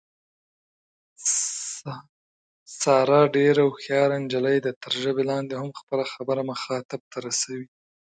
ساره ډېره هوښیاره نجیلۍ ده، تر ژبه لاندې هم خپله خبره مخاطب ته رسوي.